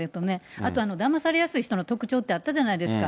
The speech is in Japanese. あとだまされやすい人の特徴ってあったじゃないですか。